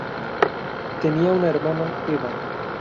Tenía una hermana, Eva.